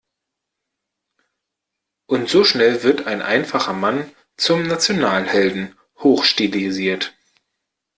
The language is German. Und so schnell wird ein einfacher Mann zum Nationalhelden hochstilisiert.